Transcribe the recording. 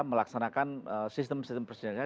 melaksanakan sistem sistem presidennya